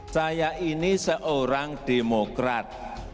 saya ini seorang demokrat